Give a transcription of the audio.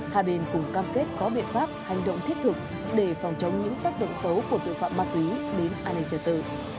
hà bình cũng cam kết có biện pháp hành động thiết thực để phòng chống những tác động xấu của tội phạm ma túy đến an ninh trở tự